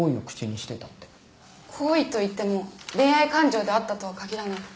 好意といっても恋愛感情であったとは限らない。